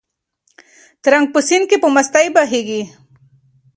ترنګ په سیند کې په مستۍ بهېږي.